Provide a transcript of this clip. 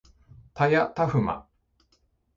たやたふま